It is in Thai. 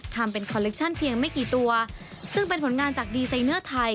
ทำเป็นคอลเลคชั่นเพียงไม่กี่ตัวซึ่งเป็นผลงานจากดีไซเนอร์ไทย